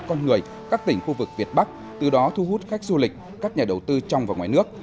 con người các tỉnh khu vực việt bắc từ đó thu hút khách du lịch các nhà đầu tư trong và ngoài nước